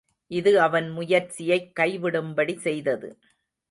இது அவன் முயற்சியைக் கைவிடும்படி செய்தது.